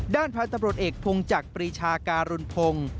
ด้านพันธุ์ตำรวจเอกพงจักรปรีชาการุณพงศ์